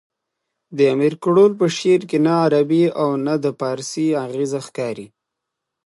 د امیر کروړ په شعر کښي نه عربي او نه د پاړسي اغېزې ښکاري.